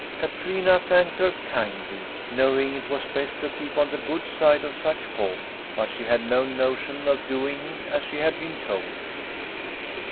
Katrina thanked her kindly, knowing it was best to keep on the good side of such folk; but she had no notion of doing as she had been told.